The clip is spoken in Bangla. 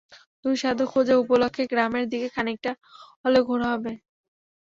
দুই, সাধু খোঁজা উপলক্ষে গ্রামের দিকে খানিকটা হলেও ঘোরা হবে।